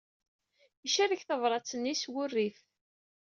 Icerreg tabṛat-nni s werrif.